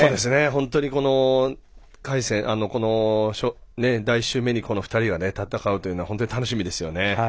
本当に第１週目にこの２人が戦うっていうのは本当に楽しみですよね。